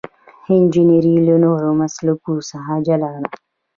انجنیری له نورو مسلکونو څخه جلا ده.